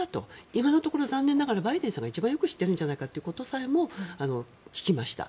今のところ残念ながらバイデンさんが一番よく知っているんじゃないかということも聞きました。